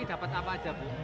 dapat apa aja bu